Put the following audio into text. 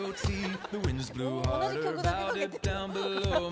同じ曲だけかけても。